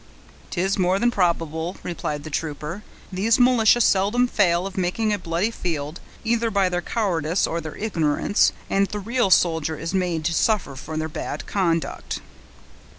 "'Tis more than probable," replied the trooper; "these militia seldom fail of making a bloody field, either by their cowardice or their ignorance, and the real soldier is made to suffer for their bad conduct."